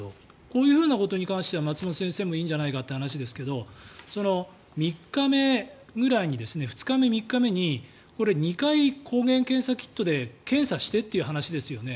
こういうことに関しては松本先生もいいんじゃないかという話ですが２日目、３日目ぐらいに２回、抗原検査キットで検査してという話ですよね。